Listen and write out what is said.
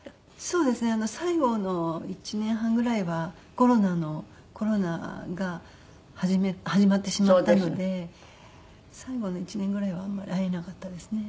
そうですね最後の１年半ぐらいはコロナのコロナが始まってしまったので最後の１年ぐらいはあんまり会えなかったですね。